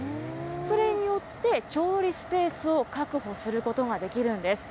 それによって、調理スペースを確保することができるんです。